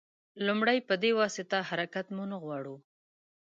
لومړی په دې واسطه حرکت مو نه غواړو.